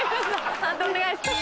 判定お願いします。